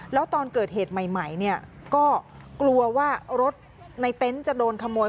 แล้วตอนเกิดเหตุใหม่เนี่ยก็กลัวว่ารถในเต็นต์จะโดนขโมย